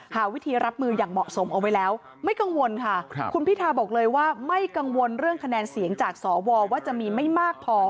หาวิธีรับมืออย่างเหมาะสมเอาไว้แล้วไม่กังวลค่ะคุณพิทาบอกเลยว่าไม่กังวลเรื่องคะแนนเสียงจากสวว่าจะมีไม่มากพอ